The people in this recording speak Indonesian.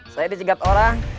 saya dicegat orang